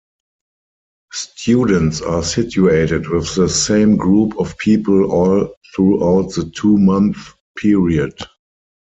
Students are situated with the same group of people all throughout the two-month period.